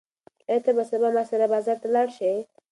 ایا ته به سبا ما سره بازار ته لاړ شې؟